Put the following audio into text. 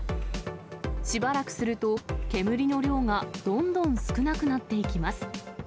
しばらくすると、煙の量がどんどん少なくなっていきます。